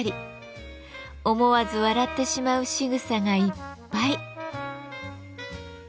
思わず笑ってしまうしぐさがいっぱい。